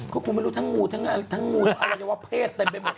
ก็จะไม่รู้ทั้งงูเพศ